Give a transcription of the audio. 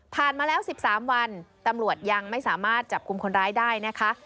มาแล้ว๑๓วันตำรวจยังไม่สามารถจับกลุ่มคนร้ายได้นะคะ